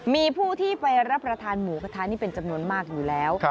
มีผู้ที่ไปรับประทานหมูกระทะนี่เป็นจำนวนมากอยู่แล้ว